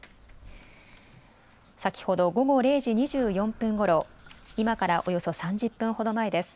先ほど午後０時２４分ごろ、今からおよそ３０分ほど前です。